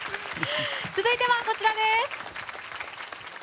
続いては、こちらです。